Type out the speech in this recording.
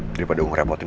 daripada ngerepotin bokap